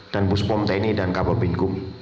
dan buspom tni dan kabupaten kum